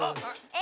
え？